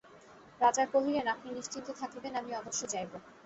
রাজা কহিলেন, আপনি নিশ্চিন্ত থাকিবেন আমি অবশ্য যাইব।